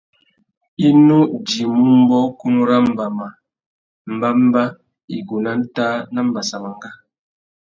I nu djïmú mbōkunú râ mbama, mbămbá, igúh nà ntāh na mbassamangá.